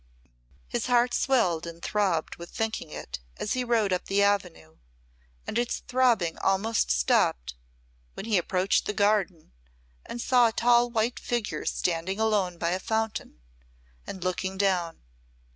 His heart swelled and throbbed with thinking it as he rode up the avenue, and its throbbing almost stopped when he approached the garden and saw a tall white figure standing alone by a fountain and looking down.